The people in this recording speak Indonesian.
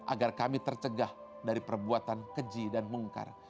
agar kami tercegah dari perbuatan keji dan mungkar